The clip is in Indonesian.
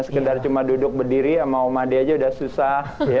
sekedar cuma duduk berdiri sama om adi aja udah susah ya